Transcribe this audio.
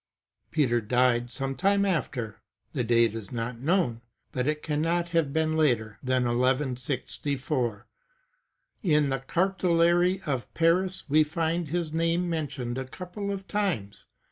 Peter died some time after^ : the date is not known, but it cannot have been later than 1 164.* In the cartulary of Paris we find his name mentioned a couple of times.